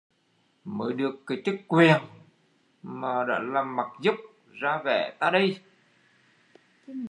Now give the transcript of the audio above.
Mới được cái chức quèn mà đã làm mặt dốc, ra vẻ ta đây